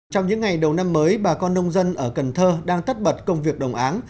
trong những ngày đầu năm mới bà con nông dân ở cần thơ đang tất bật công việc đồng án